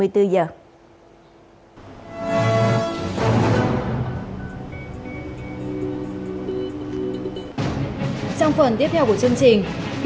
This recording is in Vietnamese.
trang phần tiếp theo của chương trình